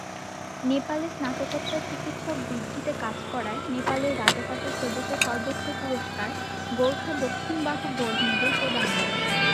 নেপালে স্নাতকোত্তর চিকিৎসক বৃদ্ধিতে কাজ করায় নেপালের রাজা তাকে সে দেশের সর্বোচ্চ পুরস্কার গোর্খা দক্ষিণ বাহু গোল্ড মেডেল প্রদান করে।